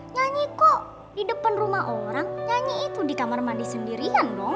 nyanyi kok di depan rumah orang nyanyi itu di kamar mandi sendirian dong